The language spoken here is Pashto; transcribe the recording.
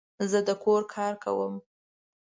زه د کور کار کوم